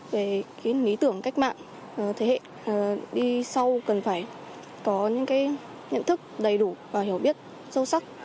về lý tưởng cách mạng thế hệ đi sau cần phải có những nhận thức đầy đủ và hiểu biết sâu sắc